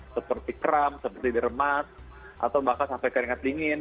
seperti kram seperti diremas atau bahkan sampai keringat dingin